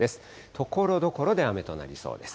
ところどころで雨となりそうです。